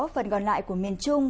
phần còn lại của miền trung